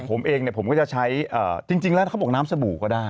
ผมเองเนี่ยผมก็จะใช้จริงแล้วเขาบอกน้ำสบู่ก็ได้